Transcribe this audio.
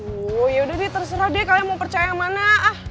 aduh yaudah deh terserah deh kalian mau percaya yang mana